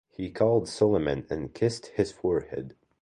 He called Suleman and kissed his forehead.